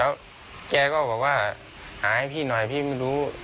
แล้วแกก็บอกว่าหาให้พี่หน่อยพี่ไม่รู้